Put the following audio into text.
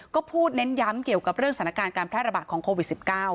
ก็พูดเน้นย้ำเกี่ยวกับเรื่องสถานการณ์การแพร่ระบาดของโควิด๑๙